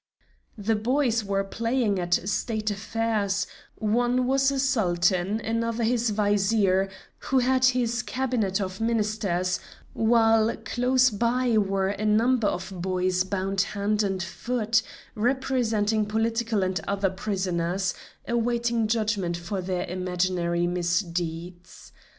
The boys were playing at state affairs: one was a Sultan, another his Vizier, who had his cabinet of Ministers, while close by were a number of boys bound hand and foot, representing political and other prisoners, awaiting judgment for their imaginary misdeeds.